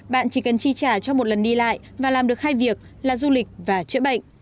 bạn chỉ cần chi trả cho một lần đi lại và làm được hai việc là du lịch và chữa bệnh